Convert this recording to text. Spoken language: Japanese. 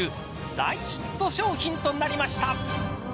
大ヒット商品となりました。